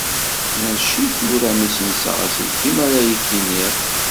Mačči tura mi ssenseɣ aselkim ara yi-d-tiniḍ.